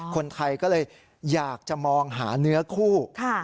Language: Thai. คนไทยก็เลยอยากจะมองหาเนื้อคู่